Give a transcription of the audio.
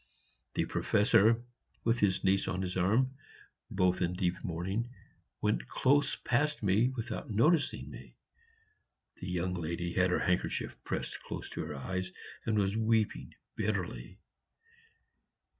The Professor, with his niece on his arm, both in deep mourning, went close past me without noticing me. The young lady had her handkerchief pressed close to her eyes, and was weeping bitterly.